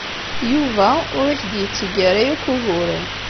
Yuba ur ak-d-yetteg ara akk uguren.